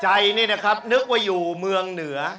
ใจนี่นะครับนึกว่าอยู่เมืองเหนือ